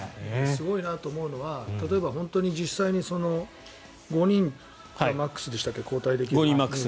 すごいなと思うのは例えば実際に５人がマックスでしたっけ交代できるのは。